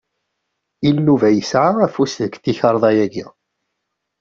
Inuba yesɛa afus deg tikerḍa-yaki